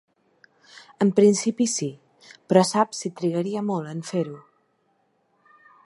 En principi sí, però saps si trigaria molt en fer-ho?